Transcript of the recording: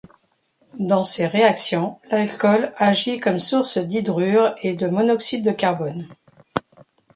Dans ces réactions, l'alcool agit comme source d'hydrure et de monoxyde de carbone.